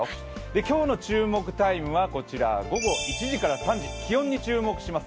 今日の注目タイムはこちら、午後１時から３時、気温に注目します。